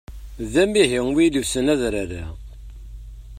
D amihi wi ilebsen adrar-a.